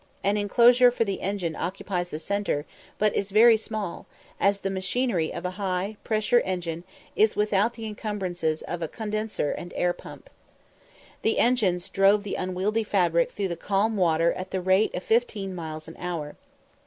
An enclosure for the engine occupies the centre, but is very small, as the machinery of a, high pressure engine is without the encumbrances of condenser and air pump. The engines drove the unwieldy fabric through the calm water at the rate of fifteen miles an hour.